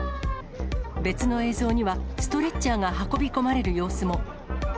別の映像には、ストレッチャーが運び込まれる様子も。